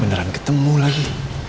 beneran ketemu lagi